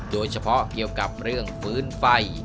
โดยเฉพาะเกี่ยวกับเรื่องฟื้นไฟ